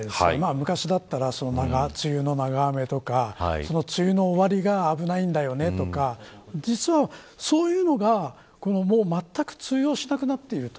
昔だったら梅雨の長雨とかその梅雨の終わりが危ないんだよねとか実は、そういうのがもうまったく通用しなくなっている。